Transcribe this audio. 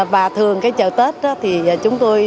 và thường cái chợ tết thì chúng tôi